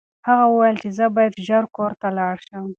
هغه وویل چې زه باید ژر کور ته لاړ شم.